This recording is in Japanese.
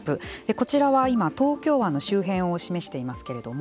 こちらは今東京湾の周辺を示していますけれども